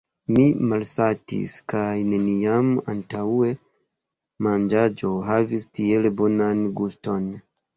Ni malsatis kaj neniam antaŭe manĝaĵo havis tiel bonan guston.